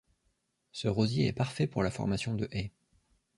Ce rosier est parfait pour la formation de haies.